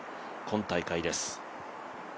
今大会です。